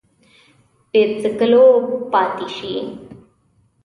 بې څکلو پاته شي